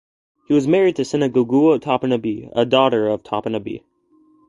He was married to Sinegogua Topinabee, a daughter of Topinabee.